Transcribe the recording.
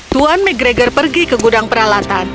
tuan mcgregor pergi ke gudang peralatan